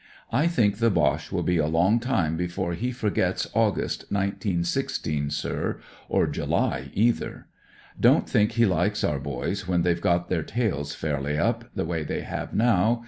I think the Boche will be a long time before he forgets August, 1916, sir, or July, either. Don't think he likes our boys when they've got their tails fairly up, the way they have now.